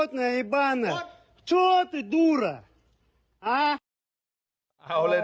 ช้าตัวจะกลัว